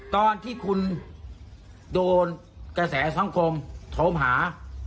ตอนที่คุณโดนกระแสสังคมโทรมาหา